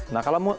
nah kalau mau